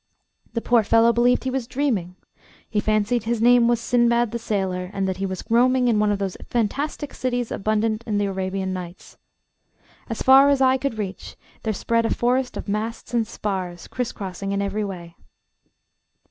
The poor fellow believed he was dreaming. He fancied his name was Sinbad the Sailor, and that he was roaming in one of those fantastic cities abundant in the "Arabian Nights." As far as eye could reach there spread a forest of masts and spars, cris crossing in every way.